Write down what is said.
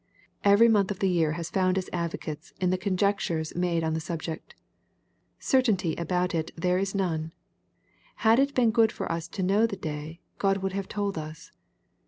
Every month in the year has found its advocates, in the conjectures made on the subject Certainty about it there is none. Had it been good for us to know the day, God would have told us.